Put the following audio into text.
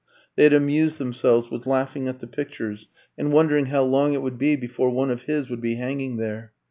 They had amused themselves with laughing at the pictures, and wondering how long it would be before one of his would be hanging there.